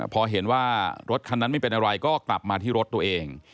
พอเห็นว่ารถคันนั้นไม่เป็นอะไรก็กลับมาที่รถตัวเอง